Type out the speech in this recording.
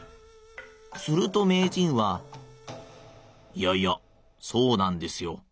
すると名人は『いやいやそうなんですよ。